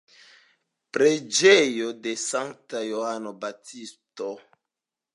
Preĝejo de Sankta Johano Baptisto.